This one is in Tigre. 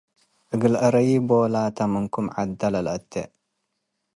እግል አረዪ ቦላታ - ምንኩም ዐደ ለአተ